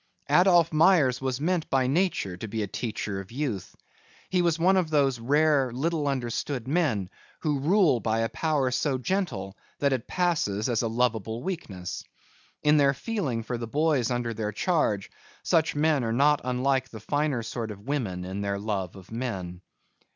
Adolph Myers was meant by nature to be a teacher of youth. He was one of those rare, little understood men who rule by a power so gentle that it passes as a lovable weakness. In their feeling for the boys under their charge such men are not unlike the finer sort of women in their love of men.